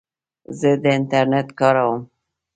زه د انټرنیټ کاروم.